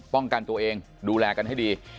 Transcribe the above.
ป้องกันตัวเองดูแลกันให้ดี